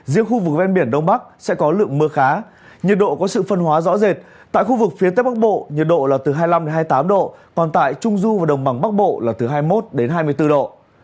riêng khu vực ven biển đông bắc sẽ có lượng mưa khá nhiệt độ có sự phân hóa rõ rệt tại khu vực phía tây bắc bộ nhiệt độ là từ hai mươi năm hai mươi tám độ còn tại trung du và đồng bằng bắc bộ là từ hai mươi một hai mươi bốn độ